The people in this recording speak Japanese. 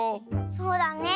そうだね。